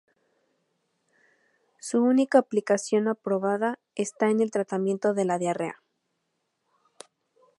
Su única aplicación aprobada está en el tratamiento de la diarrea.